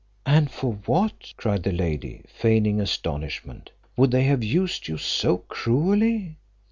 "And for what," cried the lady, feigning astonishment, "would they have used you so cruelly?